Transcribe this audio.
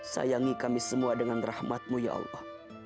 sayangi kami semua dengan rahmatmu ya allah